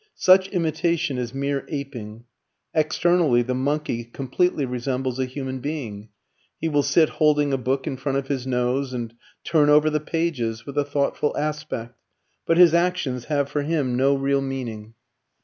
Such imitation is mere aping. Externally the monkey completely resembles a human being; he will sit holding a book in front of his nose, and turn over the pages with a thoughtful aspect, but his actions have for him no real meaning.